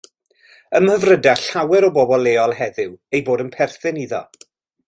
Ymhyfryda llawer o bobl leol heddiw eu bod yn perthyn iddo.